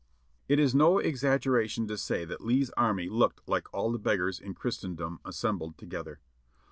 It is no exaggeration to say that Lee's army looked like all the beggars in Christendom assembled together.